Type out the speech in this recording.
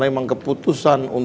bagaimana dengan posisi pak soni